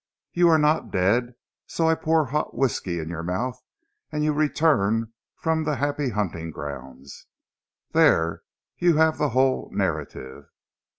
You not dead, so I pour hot whisky in your mouth an' you return from zee happy huntin' grounds. Dere you have zee whole narrative."